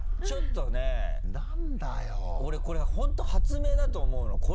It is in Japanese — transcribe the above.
ちょっとね俺これ本当発明だと思うの。